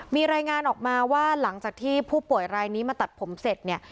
มีรายงานออกมาว่าหลังจากที่ผู้ป่วยรายนี้มาตัดผมเสร็จเนี่ย